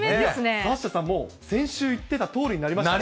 サッシャさん、もう先週言ってたとおりになりましたね。